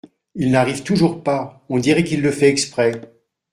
Il n’arrive toujours pas ! on dirait qu’il le fait exprès !